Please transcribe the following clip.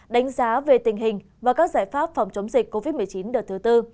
đánh giá về tình hình và các giải pháp phòng chống dịch covid một mươi chín đợt thứ tư